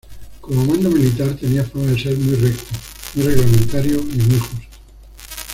Como mando militar tenía fama de ser muy recto, muy reglamentario y muy justo.